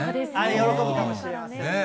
喜ぶかもしれませんね。